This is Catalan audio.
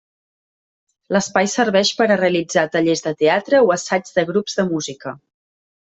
L'espai serveix per a realitzar tallers de teatre o assaigs de grups de música.